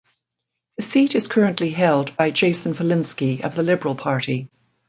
The seat is currently held by Jason Falinski of the Liberal Party.